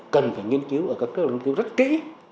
cần phải nghiên cứu ở các cơ hội nghiên cứu rất kỹ